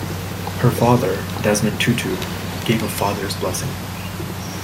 Her father, Desmond Tutu, gave "a father's blessing".